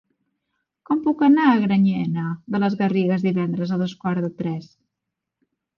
Com puc anar a Granyena de les Garrigues divendres a dos quarts de tres?